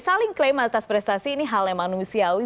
saling klaim atas prestasi ini hal yang manusiawi